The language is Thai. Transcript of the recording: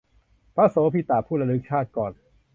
พระโสภิตะ ผู้ระลึกชาติก่อน